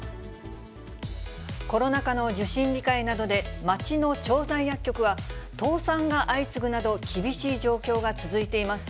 コロナ禍の受診控えなどで、町の調剤薬局は倒産が相次ぐなど、厳しい状況が続いています。